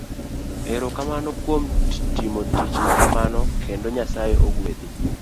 Ero kamano kuom timo tich makamano,, kendo Nyasaye ogwedhi.